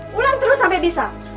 pulang terus sampai bisa